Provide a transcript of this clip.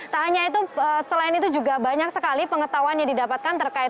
tak hanya itu selain itu juga banyak sekali pengetahuan yang didapatkan terkait